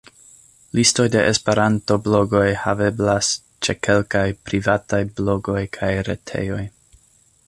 Listoj de esperanto-blogoj haveblas ĉe kelkaj privataj blogoj kaj retejoj.